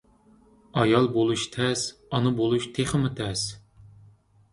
ئايال بولۇش تەس، ئانا بولۇش تېخىمۇ تەس.